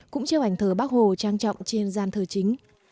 cũng treo ảnh thờ bác hồ trang trọng trên gian thờ chính